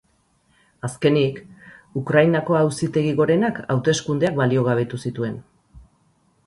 Azkenik, Ukrainako Auzitegi Gorenak hauteskundeak baliogabetu zituen.